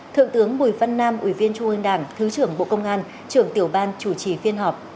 thượng tướng bùi văn nam ủy viên trung ương đảng thứ trưởng bộ công an trưởng tiểu ban chủ trì phiên họp